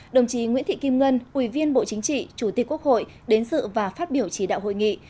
đồng chí nguyễn thị kim ngân ủy viên bộ chính trị chủ tịch quốc hội đến dự và phát biểu chỉ đạo hội nghị